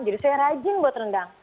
jadi saya rajin buat rendang